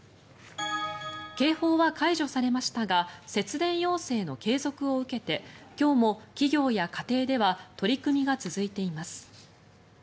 警報は解除されましたが節電要請の継続を受けて今日も企業や家庭では取り組みが続いています。